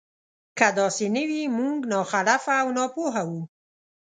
که داسې نه وي موږ ناخلفه او ناپوهه وو.